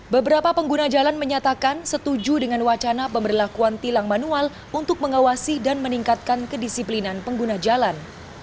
beberapa pengguna jalan menyatakan setuju dengan wacana pemberlakuan tilang manual untuk mengawasi dan meningkatkan kedisiplinan pengguna jalan